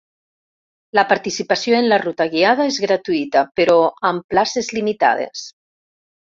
La participació en la ruta guiada és gratuïta, però amb places limitades.